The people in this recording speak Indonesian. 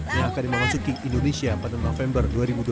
yang akan dimasuki indonesia pada november dua ribu dua puluh